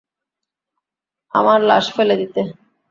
আমার লাশ ফেলে দিতে।